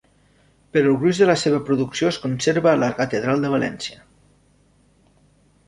Però el gruix de la seva producció es conserva a la Catedral de València.